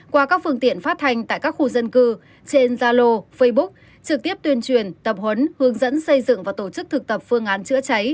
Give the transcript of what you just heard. qua các phương tiện phát thanh tại các khu dân cư trên gia lô facebook trực tiếp tuyên truyền tập huấn hướng dẫn xây dựng và tổ chức thực tập phương án chữa cháy